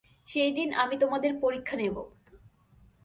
সেই দিন আমি তোমাদের পরীক্ষা নেব।